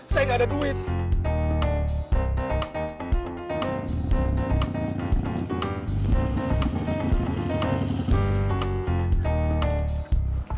sayang gak ada duit